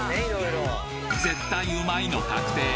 絶対ウマいの確定！